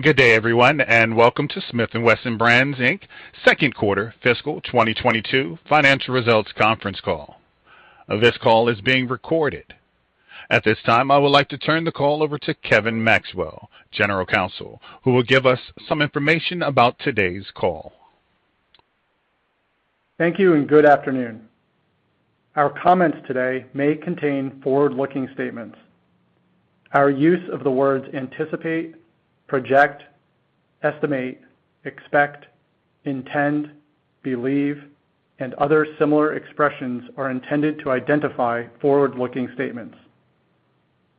Good day, everyone, and welcome to Smith & Wesson Brands, Inc. second quarter fiscal 2022 financial results conference call. This call is being recorded. At this time, I would like to turn the call over to Kevin Maxwell, General Counsel, who will give us some information about today's call. Thank you and good afternoon. Our comments today may contain forward-looking statements. Our use of the words anticipate, project, estimate, expect, intend, believe, and other similar expressions are intended to identify forward-looking statements.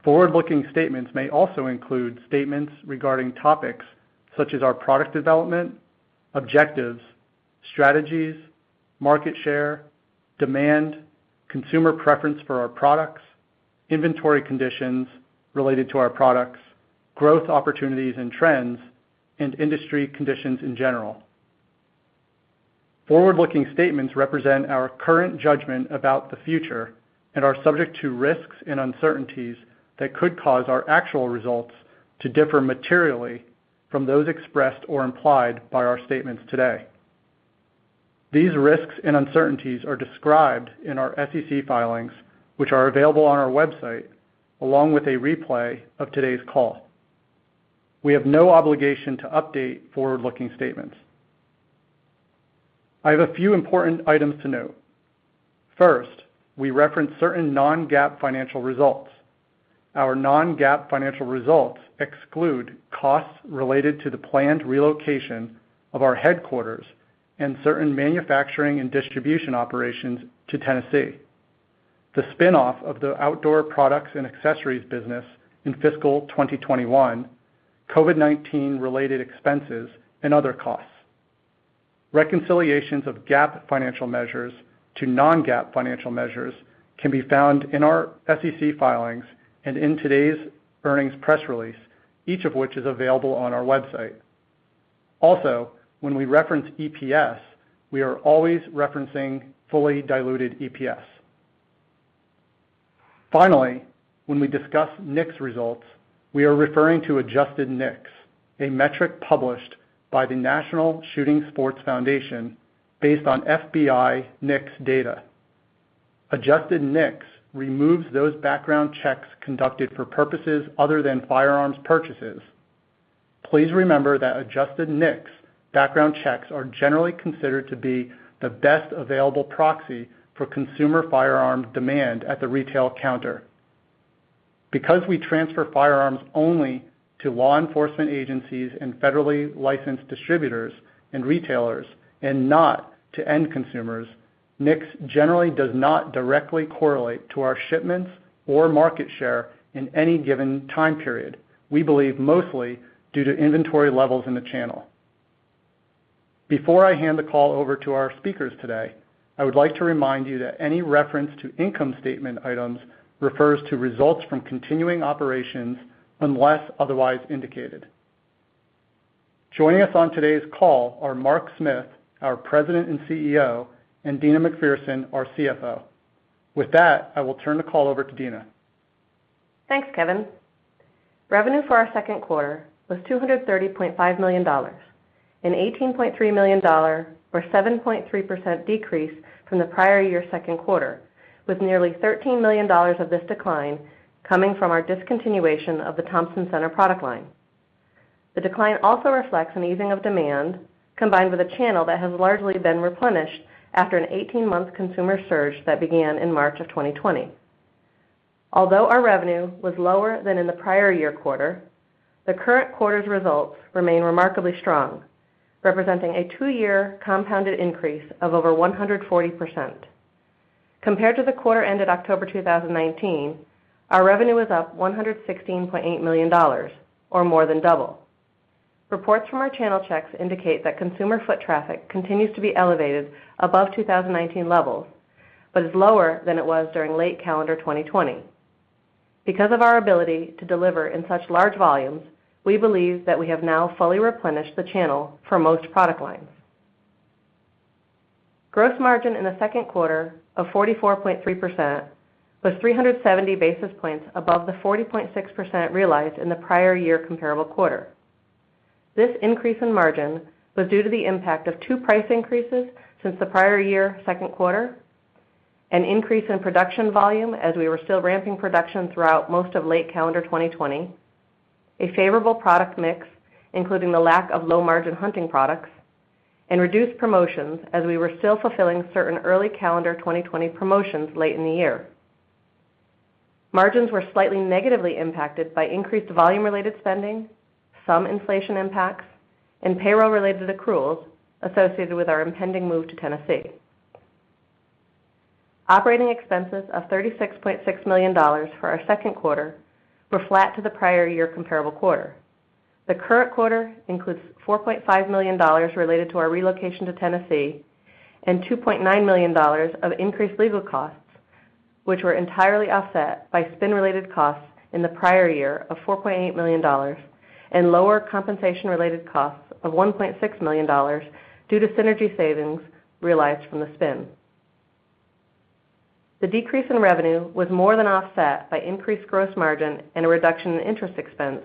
Forward-looking statements may also include statements regarding topics such as our product development, objectives, strategies, market share, demand, consumer preference for our products, inventory conditions related to our products, growth opportunities and trends, and industry conditions in general. Forward-looking statements represent our current judgment about the future and are subject to risks and uncertainties that could cause our actual results to differ materially from those expressed or implied by our statements today. These risks and uncertainties are described in our SEC filings, which are available on our website, along with a replay of today's call. We have no obligation to update forward-looking statements. I have a few important items to note. First, we reference certain non-GAAP financial results. Our non-GAAP financial results exclude costs related to the planned relocation of our headquarters and certain manufacturing and distribution operations to Tennessee, the spin-off of the outdoor products and accessories business in fiscal 2021, COVID-19 related expenses, and other costs. Reconciliations of GAAP financial measures to non-GAAP financial measures can be found in our SEC filings and in today's earnings press release, each of which is available on our website. Also, when we reference EPS, we are always referencing fully diluted EPS. Finally, when we discuss NICS results, we are referring to adjusted NICS, a metric published by the National Shooting Sports Foundation based on FBI NICS data. Adjusted NICS removes those background checks conducted for purposes other than firearms purchases. Please remember that adjusted NICS background checks are generally considered to be the best available proxy for consumer firearm demand at the retail counter. Because we transfer firearms only to law enforcement agencies and federally licensed distributors and retailers and not to end consumers, NICS generally does not directly correlate to our shipments or market share in any given time period, we believe mostly due to inventory levels in the channel. Before I hand the call over to our speakers today, I would like to remind you that any reference to income statement items refers to results from continuing operations unless otherwise indicated. Joining us on today's call are Mark Smith, our President and CEO, and Deana McPherson, our CFO. With that, I will turn the call over to Deana. Thanks, Kevin. Revenue for our second quarter was $230.5 million, an $18.3 million or 7.3% decrease from the prior year second quarter, with nearly $13 million of this decline coming from our discontinuation of the Thompson/Center product line. The decline also reflects an easing of demand, combined with a channel that has largely been replenished after an 18-month consumer surge that began in March 2020. Although our revenue was lower than in the prior year quarter, the current quarter's results remain remarkably strong, representing a two-year compounded increase of over 140%. Compared to the quarter ended October 2019, our revenue is up $116.8 million, or more than double. Reports from our channel checks indicate that consumer foot traffic continues to be elevated above 2019 levels, but is lower than it was during late calendar 2020. Because of our ability to deliver in such large volumes, we believe that we have now fully replenished the channel for most product lines. Gross margin in the second quarter of 44.3% was 370 basis points above the 40.6% realized in the prior year comparable quarter. This increase in margin was due to the impact of two price increases since the prior year second quarter, an increase in production volume as we were still ramping production throughout most of late calendar 2020, a favorable product mix, including the lack of low-margin hunting products, and reduced promotions as we were still fulfilling certain early calendar 2020 promotions late in the year. Margins were slightly negatively impacted by increased volume-related spending, some inflation impacts, and payroll-related accruals associated with our impending move to Tennessee. Operating expenses of $36.6 million for our second quarter were flat to the prior year comparable quarter. The current quarter includes $4.5 million related to our relocation to Tennessee and $2.9 million of increased legal costs, which were entirely offset by spin-related costs in the prior year of $4.8 million and lower compensation-related costs of $1.6 million due to synergy savings realized from the spin. The decrease in revenue was more than offset by increased gross margin and a reduction in interest expense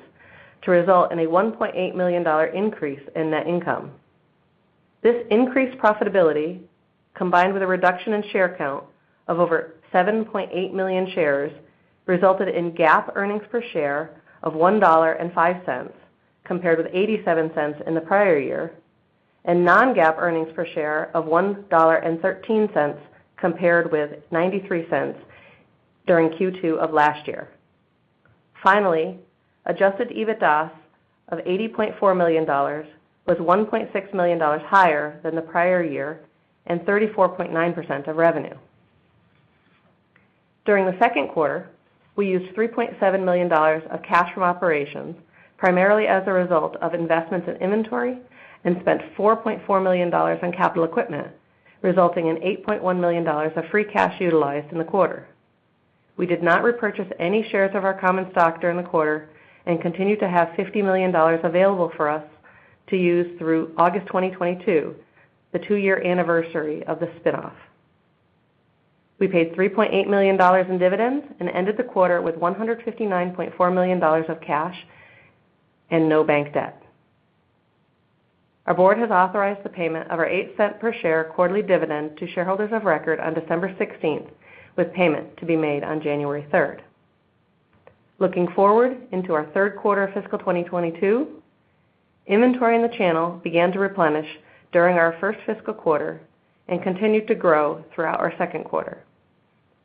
to result in a $1.8 million increase in net income. This increased profitability, combined with a reduction in share count of over 7.8 million shares, resulted in GAAP earnings per share of $1.05, compared with $0.87 in the prior year, and non-GAAP earnings per share of $1.13 compared with $0.93 during Q2 of last year. Finally, adjusted EBITDA of $80.4 million was $1.6 million higher than the prior year and 34.9% of revenue. During the second quarter, we used $3.7 million of cash from operations, primarily as a result of investments in inventory, and spent $4.4 million on capital equipment, resulting in $8.1 million of free cash utilized in the quarter. We did not repurchase any shares of our common stock during the quarter and continue to have $50 million available for us to use through August 2022, the two-year anniversary of the spin-off. We paid $3.8 million in dividends and ended the quarter with $159.4 million of cash and no bank debt. Our board has authorized the payment of our $0.08 per share quarterly dividend to shareholders of record on December 16, with payment to be made on January 3. Looking forward into our third quarter of fiscal 2022, inventory in the channel began to replenish during our first fiscal quarter and continued to grow throughout our second quarter.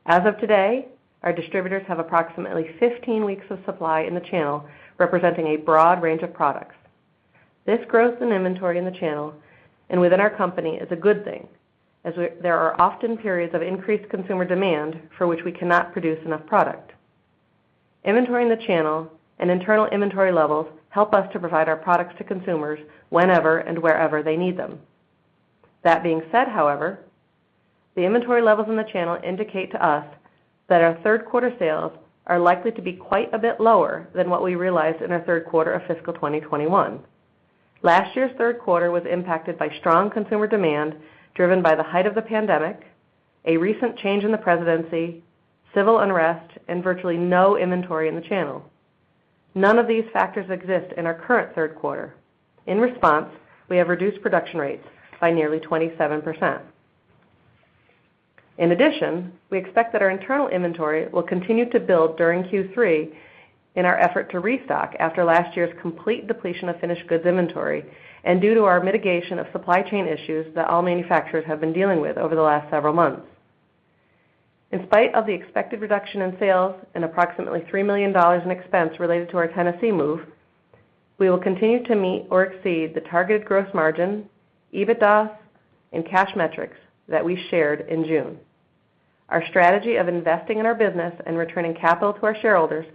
As of today, our distributors have approximately 15 weeks of supply in the channel, representing a broad range of products. This growth in inventory in the channel and within our company is a good thing, as there are often periods of increased consumer demand for which we cannot produce enough product. Inventory in the channel and internal inventory levels help us to provide our products to consumers whenever and wherever they need them. That being said, however, the inventory levels in the channel indicate to us that our third quarter sales are likely to be quite a bit lower than what we realized in our third quarter of fiscal 2021. Last year's third quarter was impacted by strong consumer demand driven by the height of the pandemic, a recent change in the presidency, civil unrest, and virtually no inventory in the channel. None of these factors exist in our current third quarter. In response, we have reduced production rates by nearly 27%. In addition, we expect that our internal inventory will continue to build during Q3 in our effort to restock after last year's complete depletion of finished goods inventory and due to our mitigation of supply chain issues that all manufacturers have been dealing with over the last several months. In spite of the expected reduction in sales and approximately $3 million in expense related to our Tennessee move, we will continue to meet or exceed the targeted gross margin, EBITDA, and cash metrics that we shared in June. Our strategy of investing in our business and returning capital to our shareholders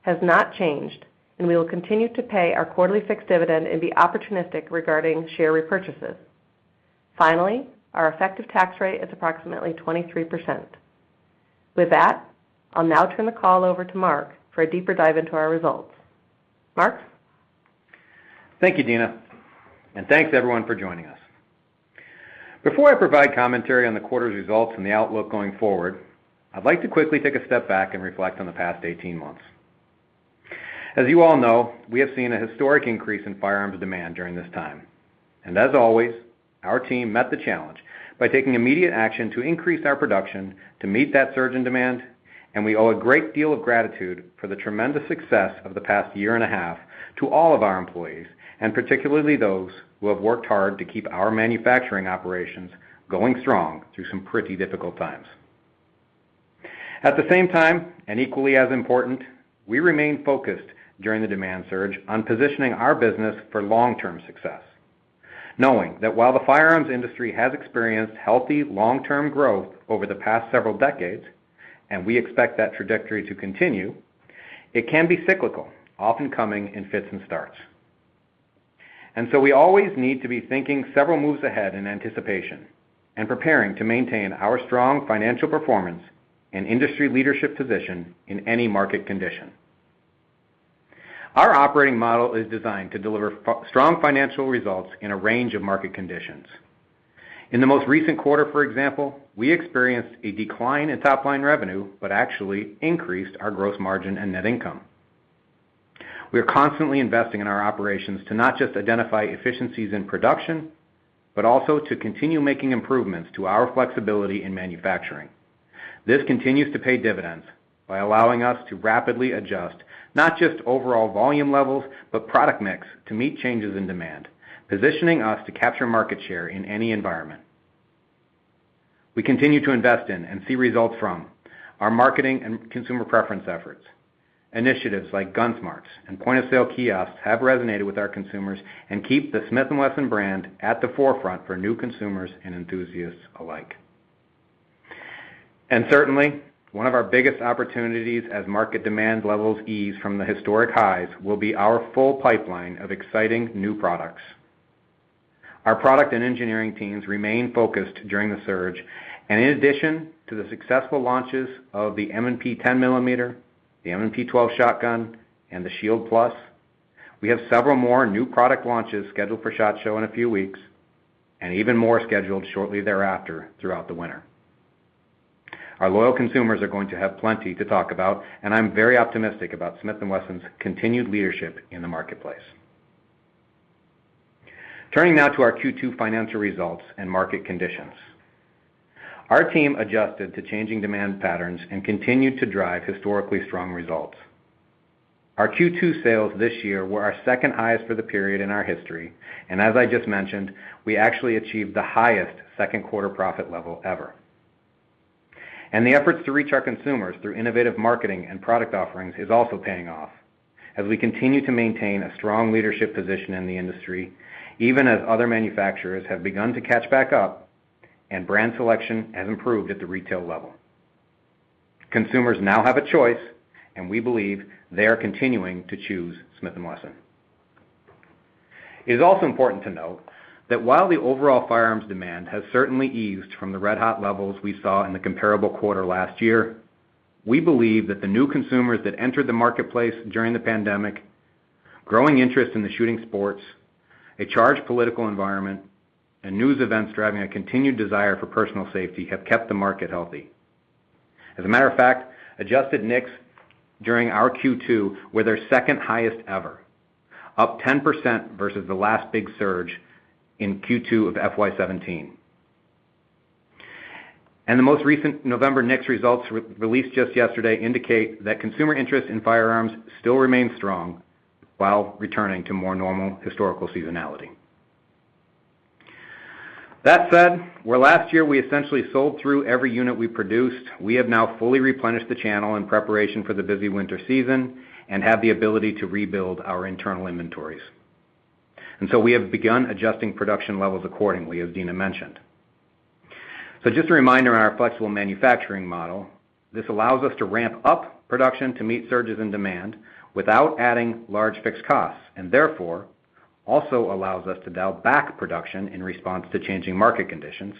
has not changed, and we will continue to pay our quarterly fixed dividend and be opportunistic regarding share repurchases. Finally, our effective tax rate is approximately 23%. With that, I'll now turn the call over to Mark for a deeper dive into our results. Mark? Thank you, Deana, and thanks, everyone, for joining us. Before I provide commentary on the quarter's results and the outlook going forward, I'd like to quickly take a step back and reflect on the past eighteen months. As you all know, we have seen a historic increase in firearms demand during this time. As always, our team met the challenge by taking immediate action to increase our production to meet that surge in demand, and we owe a great deal of gratitude for the tremendous success of the past year and a half to all of our employees, and particularly those who have worked hard to keep our manufacturing operations going strong through some pretty difficult times. At the same time, and equally as important, we remain focused during the demand surge on positioning our business for long-term success. Knowing that while the firearms industry has experienced healthy long-term growth over the past several decades, and we expect that trajectory to continue, it can be cyclical, often coming in fits and starts. We always need to be thinking several moves ahead in anticipation and preparing to maintain our strong financial performance and industry leadership position in any market condition. Our operating model is designed to deliver strong financial results in a range of market conditions. In the most recent quarter, for example, we experienced a decline in top-line revenue, but actually increased our gross margin and net income. We are constantly investing in our operations to not just identify efficiencies in production, but also to continue making improvements to our flexibility in manufacturing. This continues to pay dividends by allowing us to rapidly adjust not just overall volume levels, but product mix to meet changes in demand, positioning us to capture market share in any environment. We continue to invest in and see results from our marketing and consumer preference efforts. Initiatives like GunSmarts and point-of-sale kiosks have resonated with our consumers and keep the Smith & Wesson brand at the forefront for new consumers and enthusiasts alike. Certainly, one of our biggest opportunities as market demand levels ease from the historic highs will be our full pipeline of exciting new products. Our product and engineering teams remain focused during the surge, and in addition to the successful launches of the M&P 10 millimeter, the M&P 12 shotgun, and the Shield Plus. We have several more new product launches scheduled for SHOT Show in a few weeks, and even more scheduled shortly thereafter throughout the winter. Our loyal consumers are going to have plenty to talk about, and I'm very optimistic about Smith & Wesson's continued leadership in the marketplace. Turning now to our Q2 financial results and market conditions. Our team adjusted to changing demand patterns and continued to drive historically strong results. Our Q2 sales this year were our second highest for the period in our history, and as I just mentioned, we actually achieved the highest second quarter profit level ever. The efforts to reach our consumers through innovative marketing and product offerings is also paying off as we continue to maintain a strong leadership position in the industry, even as other manufacturers have begun to catch back up and brand selection has improved at the retail level. Consumers now have a choice, and we believe they are continuing to choose Smith & Wesson. It is also important to note that while the overall firearms demand has certainly eased from the red-hot levels we saw in the comparable quarter last year, we believe that the new consumers that entered the marketplace during the pandemic, growing interest in the shooting sports, a charged political environment, and news events driving a continued desire for personal safety have kept the market healthy. As a matter of fact, adjusted NICS during our Q2 were their second highest ever, up 10% versus the last big surge in Q2 of FY 2017. The most recent November NICS results released just yesterday indicate that consumer interest in firearms still remains strong while returning to more normal historical seasonality. That said, where last year we essentially sold through every unit we produced, we have now fully replenished the channel in preparation for the busy winter season and have the ability to rebuild our internal inventories. We have begun adjusting production levels accordingly, as Deana mentioned. Just a reminder on our flexible manufacturing model, this allows us to ramp up production to meet surges in demand without adding large fixed costs, and therefore, also allows us to dial back production in response to changing market conditions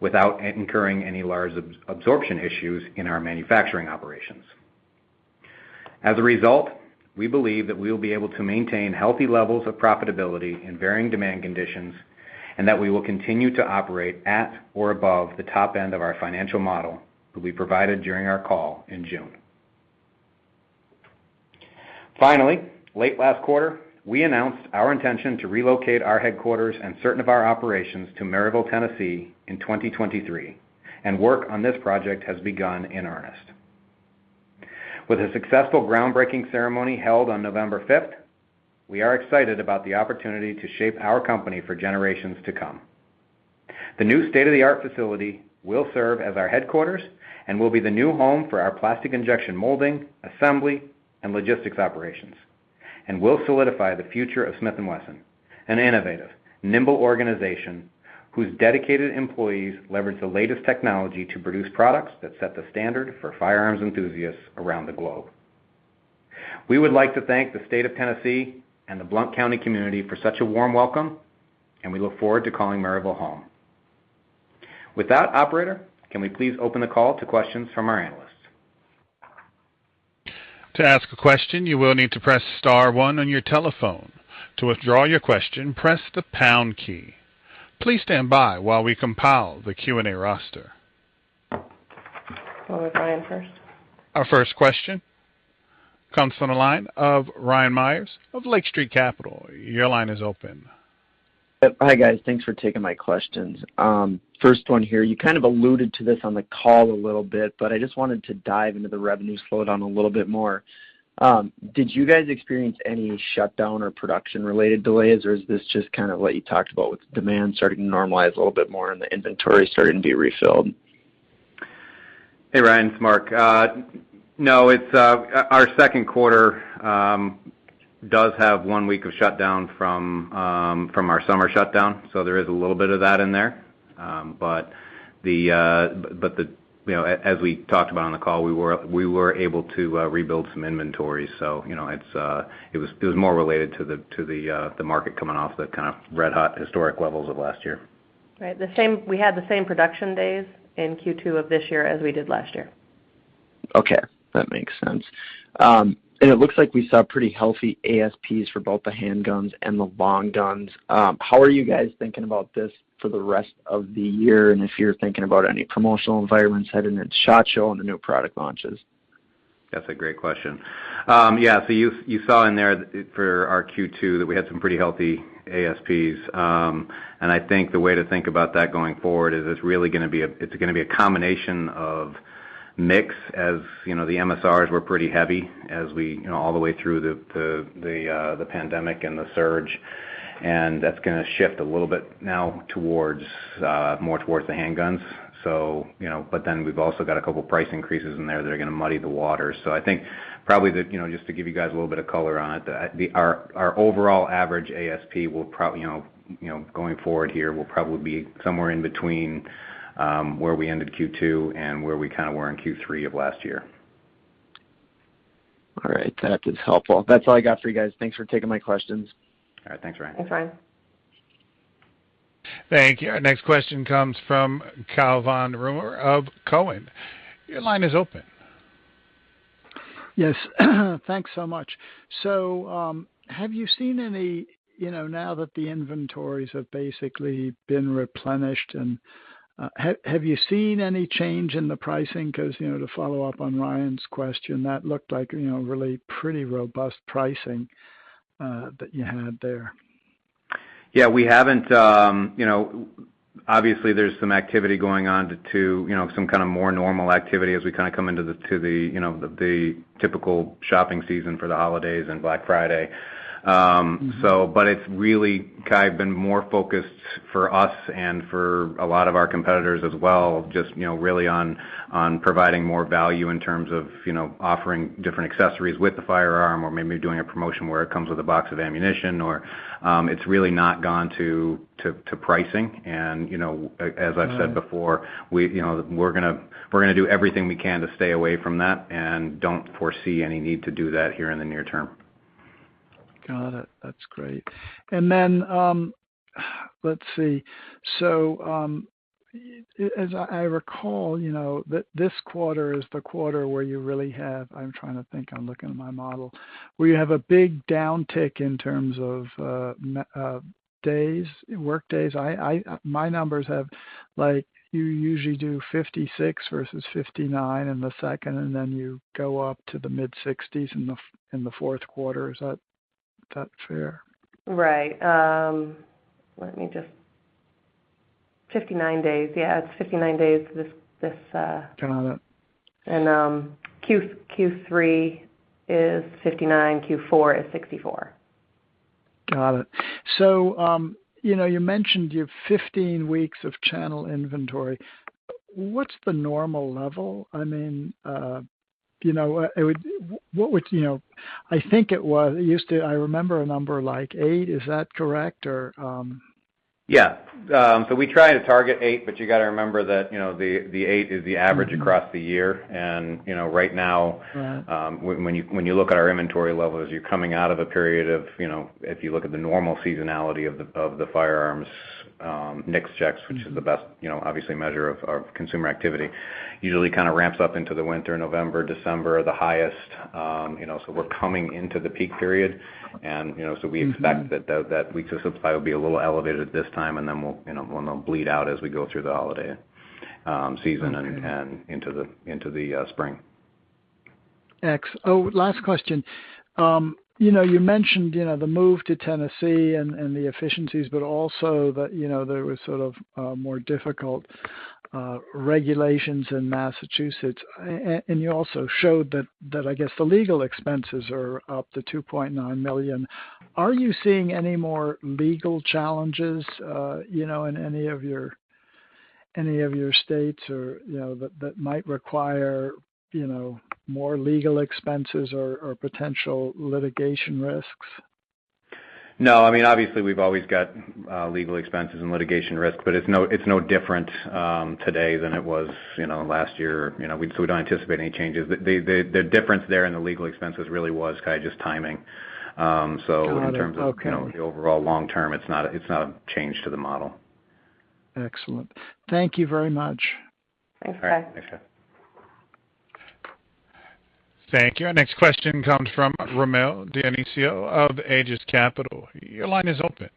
without incurring any large absorption issues in our manufacturing operations. As a result, we believe that we will be able to maintain healthy levels of profitability in varying demand conditions, and that we will continue to operate at or above the top end of our financial model that we provided during our call in June. Finally, late last quarter, we announced our intention to relocate our headquarters and certain of our operations to Maryville, Tennessee in 2023, and work on this project has begun in earnest. With a successful groundbreaking ceremony held on November fifth, we are excited about the opportunity to shape our company for generations to come. The new state-of-the-art facility will serve as our headquarters and will be the new home for our plastic injection molding, assembly and logistics operations, and will solidify the future of Smith & Wesson, an innovative, nimble organization whose dedicated employees leverage the latest technology to produce products that set the standard for firearms enthusiasts around the globe. We would like to thank the state of Tennessee and the Blount County community for such a warm welcome, and we look forward to calling Maryville home. With that, operator, can we please open the call to questions from our analysts? To ask a question, you will need to press star one on your telephone. To withdraw your question, press the pound key. Please stand by while we compile the Q&A roster. We'll go with Ryan first. Our first question comes from the line of Ryan Meyers of Lake Street Capital. Your line is open. Hi, guys. Thanks for taking my questions. First one here, you kind of alluded to this on the call a little bit, but I just wanted to dive into the revenue slowdown a little bit more. Did you guys experience any shutdown or production-related delays, or is this just kind of what you talked about with demand starting to normalize a little bit more and the inventory starting to be refilled? Hey, Ryan, it's Mark. No, it's our second quarter does have one week of shutdown from our summer shutdown. There is a little bit of that in there. But you know, as we talked about on the call, we were able to rebuild some inventory. You know, it was more related to the market coming off the kind of red-hot historic levels of last year. Right. We had the same production days in Q2 of this year as we did last year. Okay. That makes sense. It looks like we saw pretty healthy ASPs for both the handguns and the long guns. How are you guys thinking about this for the rest of the year? If you're thinking about any promotional environments ahead in the SHOT Show and the new product launches. That's a great question. Yeah. You saw in there for our Q2 that we had some pretty healthy ASPs. I think the way to think about that going forward is it's really gonna be a combination of mix. As you know, the MSRs were pretty heavy as we all the way through the pandemic and the surge, and that's gonna shift a little bit now towards more towards the handguns. You know, but then we've also got a couple price increases in there that are gonna muddy the water. I think probably, you know, just to give you guys a little bit of color on it, our overall average ASP, you know, you know, going forward here will probably be somewhere in between, where we ended Q2 and where we kind of were in Q3 of last year. All right. That is helpful. That's all I got for you guys. Thanks for taking my questions. All right. Thanks, Ryan. Thanks, Ryan. Thank you. Our next question comes from Cai von Rumohr of Cowen. Your line is open. Yes, thanks so much. Have you seen any, you know, now that the inventories have basically been replenished and have you seen any change in the pricing? 'Cause, you know, to follow up on Ryan's question, that looked like, you know, really pretty robust pricing that you had there. Yeah, we haven't. You know, obviously, there's some activity going on, some kind of more normal activity as we kind of come into the typical shopping season for the holidays and Black Friday. But it's really kind of been more focused for us and for a lot of our competitors as well, just, you know, really on providing more value in terms of, you know, offering different accessories with the firearm or maybe doing a promotion where it comes with a box of ammunition or, it's really not gone to pricing. You know, as I've said before, we, you know, we're gonna do everything we can to stay away from that and don't foresee any need to do that here in the near term. Got it. That's great. Let's see. As I recall, you know, this quarter is the quarter where you really have. I'm trying to think. I'm looking at my model, where you have a big downtick in terms of days, work days. My numbers have like you usually do 56 versus 59 in the second, and then you go up to the mid-60s in the fourth quarter. Is that fair? Right. 59 days. Yeah, it's 59 days this. Got it. Q3 is 59, Q4 is 64. Got it. You know, you mentioned you have 15 weeks of channel inventory. What's the normal level? I mean, you know, what would, you know. I think it used to. I remember a number like eight. Is that correct or Yeah. So we try to target eight, but you gotta remember that, you know, the eight is the average across the year. You know, right now- Right When you look at our inventory levels, you're coming out of a period of, you know, if you look at the normal seasonality of the firearms NICS checks, which is the best, you know, obviously measure of consumer activity, usually kind of ramps up into the winter, November, December are the highest. You know, we're coming into the peak period. You know, we expect that weeks of supply will be a little elevated at this time, and then we'll, you know, wanna bleed out as we go through the holiday season and into the spring. Oh, last question. You know, you mentioned, you know, the move to Tennessee and the efficiencies, but also that, you know, there was sort of more difficult regulations in Massachusetts. You also showed that I guess the legal expenses are up to $2.9 million. Are you seeing any more legal challenges, you know, in any of your states or, you know, that might require, you know, more legal expenses or potential litigation risks? No, I mean, obviously, we've always got legal expenses and litigation risk, but it's no different today than it was, you know, last year. You know, we don't anticipate any changes. The difference there in the legal expenses really was kind of just timing. Got it. Okay In terms of, you know, the overall long term, it's not a change to the model. Excellent. Thank you very much. Thanks, Cai. All right. Thanks, Cai. Thank you. Our next question comes from Rommel Dionisio of Aegis Capital. Your line is open.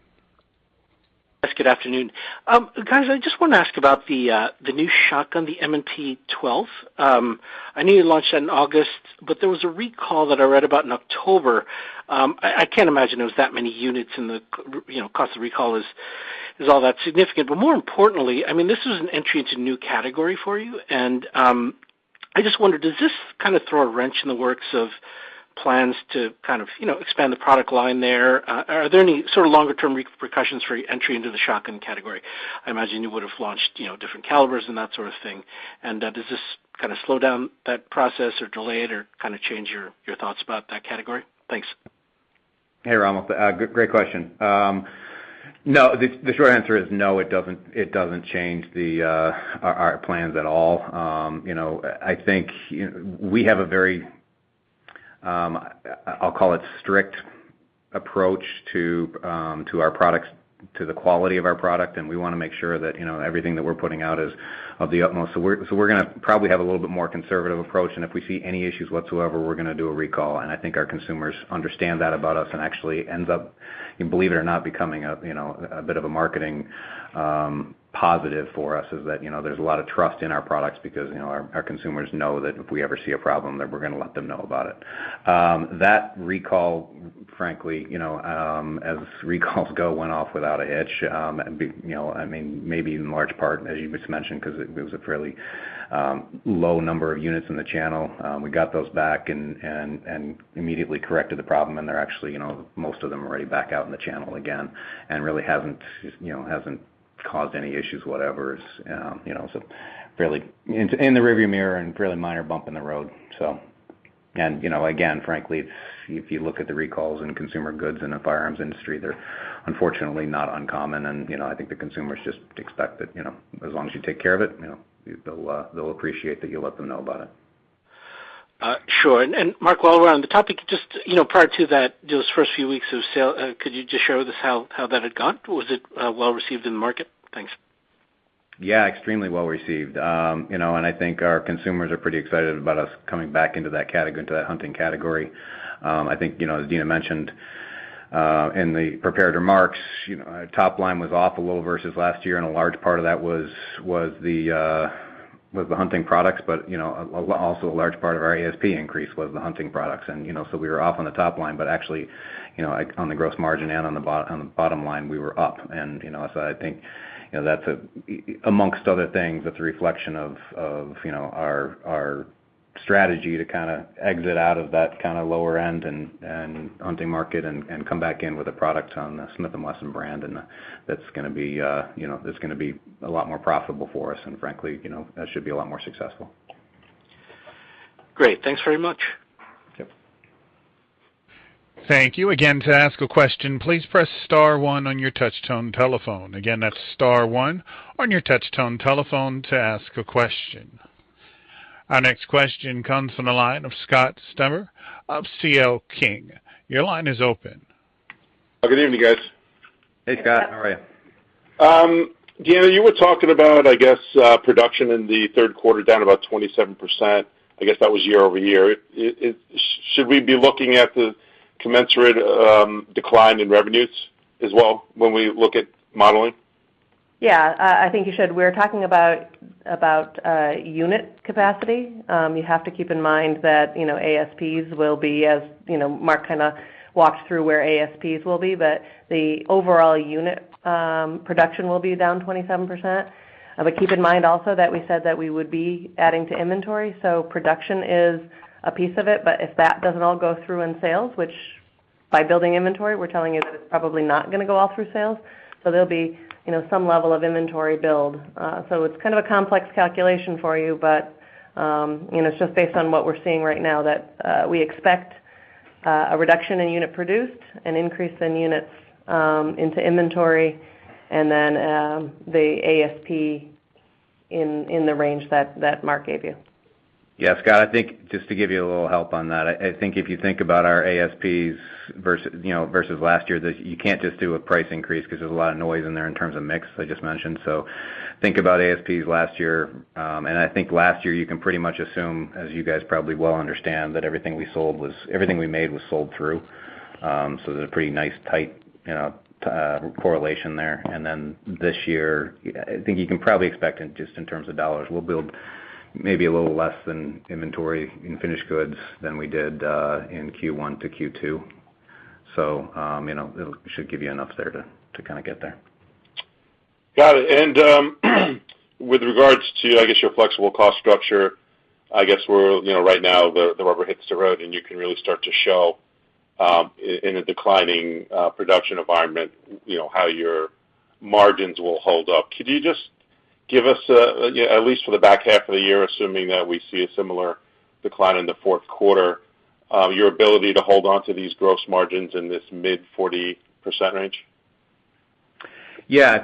Yes, good afternoon. Guys, I just want to ask about the new shotgun, the M&P 12. I know you launched that in August, but there was a recall that I read about in October. I can't imagine it was that many units in the, you know, cost of recall is all that significant. But more importantly, I mean, this is an entry into new category for you, and I just wonder, does this kind of throw a wrench in the works of plans to kind of, you know, expand the product line there? Are there any sort of longer-term repercussions for your entry into the shotgun category? I imagine you would have launched, you know, different calibers and that sort of thing. Does this kinda slow down that process or delay it or kinda change your thoughts about that category? Thanks. Hey, Rommel. Great question. No, the short answer is no, it doesn't change our plans at all. You know, I think we have a very, I'll call it strict approach to our products, to the quality of our product, and we wanna make sure that, you know, everything that we're putting out is of the utmost. So we're gonna probably have a little bit more conservative approach, and if we see any issues whatsoever, we're gonna do a recall. I think our consumers understand that about us and actually ends up, believe it or not, becoming a bit of a marketing positive for us is that there's a lot of trust in our products because our consumers know that if we ever see a problem, that we're gonna let them know about it. That recall, frankly, you know, as recalls go, went off without a hitch. You know, I mean, maybe in large part, as you just mentioned, 'cause it was a fairly low number of units in the channel. We got those back and immediately corrected the problem, and they're actually, you know, most of them are already back out in the channel again and really hasn't caused any issues whatever. It's you know so fairly in the rear view mirror and fairly minor bump in the road. You know again frankly if you look at the recalls in consumer goods in the firearms industry, they're unfortunately not uncommon. You know I think the consumers just expect that you know as long as you take care of it you know they'll appreciate that you let them know about it. Sure. Mark, while we're on the topic, just, you know, prior to that, just first few weeks of sales, could you just share with us how that had gone? Was it well received in the market? Thanks. Yeah, extremely well received. You know, I think our consumers are pretty excited about us coming back into that hunting category. I think, you know, as Deana mentioned in the prepared remarks, you know, our top line was off a little versus last year, and a large part of that was the hunting products. You know, also a large part of our ASP increase was the hunting products. You know, we were off on the top line, but actually, you know, like on the gross margin and on the bottom line, we were up. You know, I think, you know, that's a... Among other things, that's a reflection of, you know, our strategy to kinda exit out of that kinda lower end and hunting market and come back in with a product on the Smith & Wesson brand, and that's gonna be, you know, that's gonna be a lot more profitable for us. Frankly, you know, that should be a lot more successful. Great. Thanks very much. Yep. Thank you. Again, to ask a question, please press star one on your touch-tone telephone. Again, that's star one on your touch-tone telephone to ask a question. Our next question comes from the line of Scott Stember of C.L. King. Your line is open. Good evening, guys. Hey, Scott. How are you? Deana, you were talking about, I guess, production in the third quarter down about 27%. I guess that was year-over-year. Should we be looking at the commensurate decline in revenues as well when we look at modeling? Yeah. I think you should. We're talking about unit capacity. You have to keep in mind that you know, ASPs will be as you know, Mark kinda walked through where ASPs will be. The overall unit production will be down 27%. Keep in mind also that we said that we would be adding to inventory. Production is a piece of it, but if that doesn't all go through in sales, which by building inventory, we're telling you that it's probably not gonna go all through sales. There'll be you know, some level of inventory build. It's kind of a complex calculation for you, but you know, it's just based on what we're seeing right now that we expect a reduction in units produced, an increase in units into inventory, and then the ASP in the range that Mark gave you. Yeah, Scott, I think just to give you a little help on that. I think if you think about our ASPs versus, you know, versus last year, you can't just do a price increase because there's a lot of noise in there in terms of mix, as I just mentioned. Think about ASPs last year. I think last year you can pretty much assume, as you guys probably well understand, that everything we made was sold through. There's a pretty nice tight, you know, correlation there. This year, I think you can probably expect, just in terms of dollars, we'll build maybe a little less than inventory in finished goods than we did in Q1 to Q2. You know, it'll should give you enough there to kinda get there. Got it. With regards to, I guess, your flexible cost structure, I guess we're, you know, right now the rubber hits the road, and you can really start to show, in a declining production environment, you know, how your margins will hold up. Could you just give us, at least for the back half of the year, assuming that we see a similar decline in the fourth quarter, your ability to hold onto these gross margins in this mid-40% range? Yeah.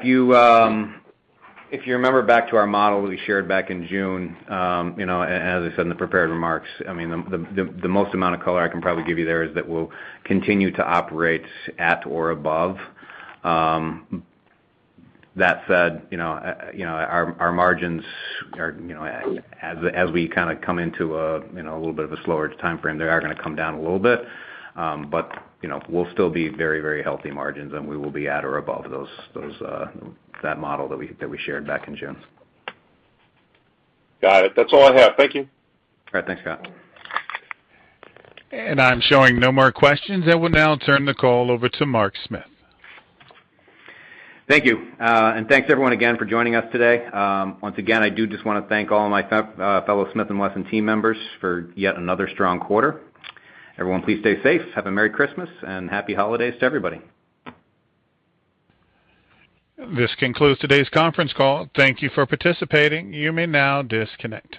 If you remember back to our model we shared back in June, you know, as I said in the prepared remarks, I mean, the most amount of color I can probably give you there is that we'll continue to operate at or above. That said, you know, our margins are, you know, as we kinda come into a little bit of a slower timeframe, they are gonna come down a little bit. You know, we'll still be very, very healthy margins, and we will be at or above that model that we shared back in June. Got it. That's all I have. Thank you. All right. Thanks, Scott. I'm showing no more questions. I will now turn the call over to Mark Smith. Thank you. Thanks everyone again for joining us today. Once again, I do just wanna thank all my fellow Smith & Wesson team members for yet another strong quarter. Everyone, please stay safe. Have a merry Christmas and happy holidays to everybody. This concludes today's conference call. Thank you for participating. You may now disconnect.